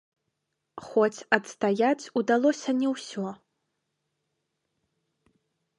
Хоць адстаяць удалося не ўсё.